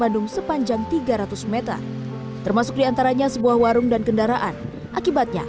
di sana di titiwut sama warung warungnya